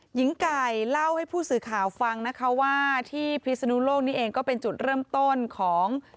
หญิงไก่เล่าให้ผู้สื่อข่าวฟังนะคะว่าที่พิศนุโลกนี้เองก็เป็นจุดเริ่มต้นของ